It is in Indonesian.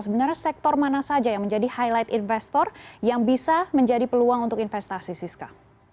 sebenarnya sektor mana saja yang menjadi highlight investor yang bisa menjadi peluang untuk investasi siska